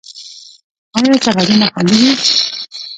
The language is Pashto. آیا سرحدونه خوندي دي؟